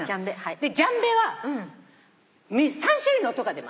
ジャンベは３種類の音が出ます。